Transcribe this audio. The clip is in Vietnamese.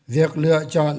việc lựa chọn